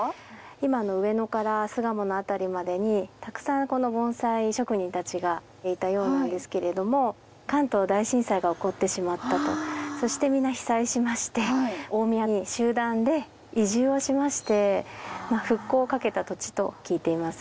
今の上野から巣鴨の辺りまでにたくさんこの盆栽職人達がいたようなんですけれども関東大震災が起こってしまったとそして皆被災しまして大宮に集団で移住をしまして復興をかけた土地と聞いています